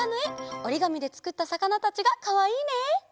おりがみでつくったさかなたちがかわいいね。